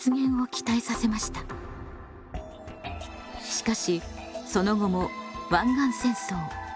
しかしその後も湾岸戦争